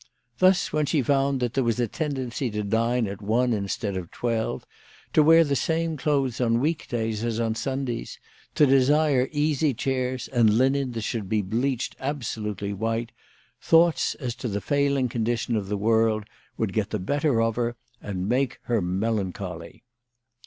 Thus, when she found that there was a tendency to dine at one instead of twelve, to wear the same clothes on week days as on Sundays, to desire easy chairs, and linen that should be bleached absolutely white, thoughts as to the failing condition of the world would get the better of her and make her melancholy.